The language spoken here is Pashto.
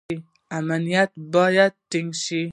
امنیت باید ټینګ شي